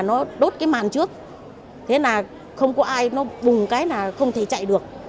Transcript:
nó đốt cái màn trước thế là không có ai nó bùng cái là không thể chạy được